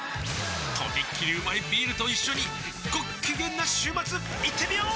とびっきりうまいビールと一緒にごっきげんな週末いってみよー！